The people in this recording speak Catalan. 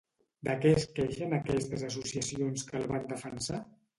De què es queixen aquestes associacions que el van defensar?